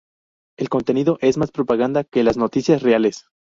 El contenido es más propaganda que las noticias reales.